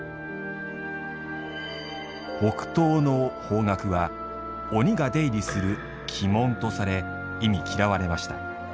北東の方角は鬼が出入りする「鬼門」とされ忌み嫌われました。